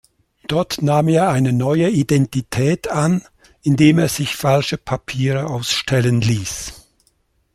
Dort nahm er eine neue Identität an, indem er sich falsche Papiere ausstellen ließ.